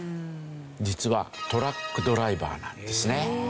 実はトラックドライバーなんですね。